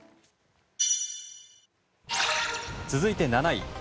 続いて、７位。